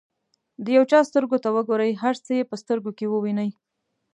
د یو چا سترګو ته وګورئ هر څه یې په سترګو کې ووینئ.